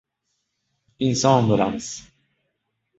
Inson bo’lamiz.